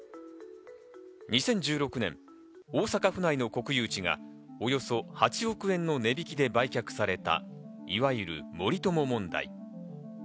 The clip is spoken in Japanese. ２０１６年、大阪府内の国有地がおよそ８億円の値引きで売却されたいわゆる森友問題。